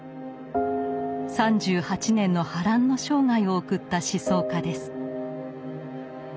３８年の波乱の生涯を送った思想家です。